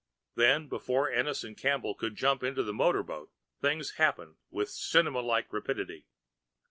Then before Ennis and Campbell could jump into the motor boat, things happened with cinema like rapidity.